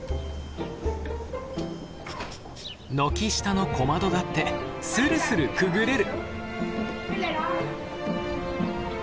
軒下の小窓だってスルスルくぐれる！